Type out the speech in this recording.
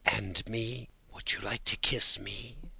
"And me? Would you like to kiss me?"